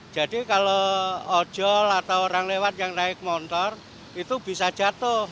jadi kalau ojol atau orang lewat yang naik motor itu bisa jatuh